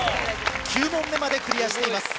９問目までクリアしています。